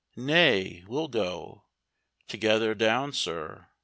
Nay, we'll go Together down, sir.